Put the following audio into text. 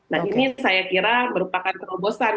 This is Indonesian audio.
nah ini saya kira merupakan terobosan